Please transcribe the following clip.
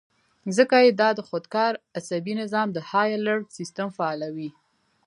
ځکه چې دا د خودکار اعصابي نظام د هائي الرټ سسټم فعالوي